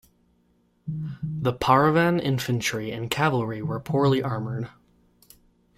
The Pauravan infantry and cavalry were poorly armoured.